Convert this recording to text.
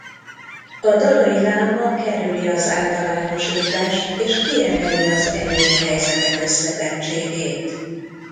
A dalai láma kerüli az általánosítást és kiemeli az egyéni helyzetek összetettségét.